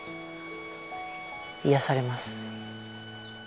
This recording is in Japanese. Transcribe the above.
癒やされます。